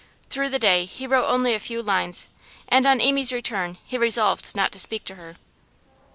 Through the day he wrote only a few lines, and on Amy's return he resolved not to speak to her.